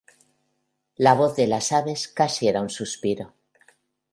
La voz de las aves casi era un suspiro.